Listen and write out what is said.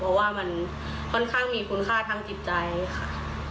เพราะว่ามันค่อนข้างมีคุณค่าทางจิตใจค่ะ